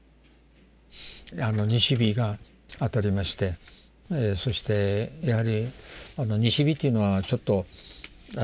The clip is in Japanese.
西日が当たりましてそしてやはりあの西日というのはちょっと揺蕩うとしてますよね。